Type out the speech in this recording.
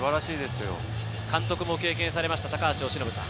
監督も経験された高橋由伸さん。